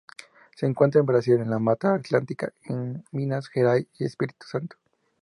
Se encuentra en Brasil en la Mata Atlántica en Minas Gerais y Espírito Santo.